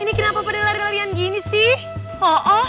ini kenapa pada lari larian gini sih